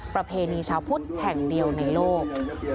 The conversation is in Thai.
ประเพณีชาวพุทธแห่งเดียวในโลก